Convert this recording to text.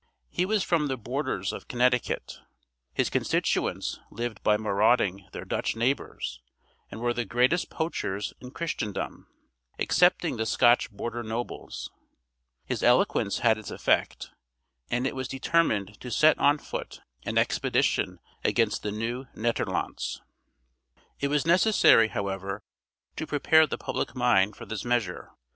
He was from the borders of Connecticut; his constituents lived by marauding their Dutch neighbors, and were the greatest poachers in Christendom, excepting the Scotch border nobles. His eloquence had its effect, and it was determined to set on foot an expedition against the Nieuw Nederlandts. It was necessary, however, to prepare the public mind for this measure.